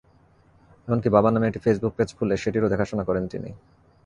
এমনকি বাবার নামে একটি ফেসবুক পেজ খুলে সেটিরও দেখাশোনা করেন তিনি।